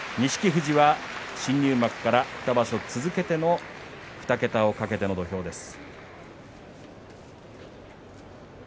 富士は新入幕から２場所続けての２桁を懸けての土俵です。